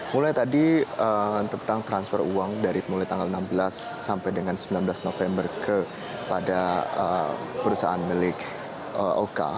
mulai tadi tentang transfer uang dari mulai tanggal enam belas sampai dengan sembilan belas november kepada perusahaan milik oka